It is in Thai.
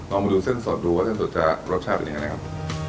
มาดูเส้นสดดูว่าเส้นสดจะรสชาติเป็นยังไงนะครับ